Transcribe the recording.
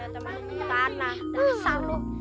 tanah besar loh